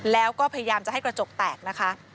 แล้วก็พยายามจะให้กระจกแตกนะคะ